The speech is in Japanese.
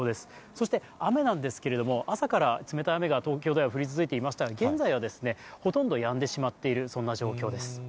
そして雨なんですけれども、朝から冷たい雨が東京では降り続いていましたが、現在はほとんどやんでしまっている、そんな状況です。